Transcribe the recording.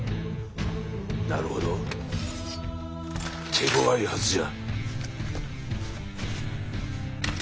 なるほど手ごわいはずじゃ。